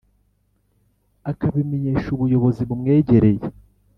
akabimenyesha ubuyobozi bumwegereye